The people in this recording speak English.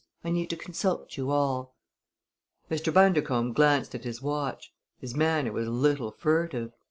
I need to consult you all." Mr. Bundercombe glanced at his watch. His manner was a little furtive.